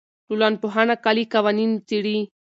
ټولنپوهنه کلي قوانین څېړي.